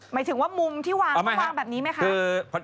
หมายถึงว่ามุมที่วางแบบนี้ไหมคะ